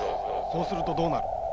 そうするとどうなる？